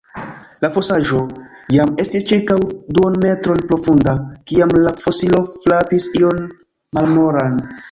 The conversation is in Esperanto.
La fosaĵo jam estis ĉirkaŭ duonmetron profunda, kiam la fosilo frapis ion malmolan.